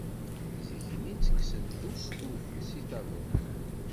Zik-nni ttekksen-d ustu seg taḍuṭ.